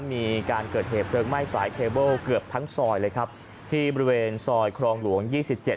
มีการเกิดเหตุเพลิงไหม้สายเคเบิลเกือบทั้งซอยเลยครับที่บริเวณซอยครองหลวงยี่สิบเจ็ด